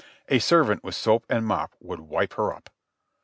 a servant with soap and mop would wipe her up.